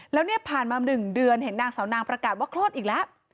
แล้วเนี่ยผ่านมา๑เดือนเห็นนางสาวนางประกาศว่าคลอดอีกแล้ว